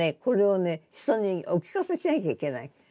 これをね人にお聞かせしなきゃいけない。